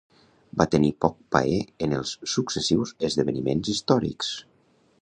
Va tenir poc paer en els successius esdeveniments històrics.